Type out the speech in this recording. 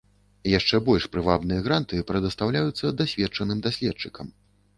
Яшчэ больш прывабныя гранты прадастаўляюцца дасведчаным даследчыкам.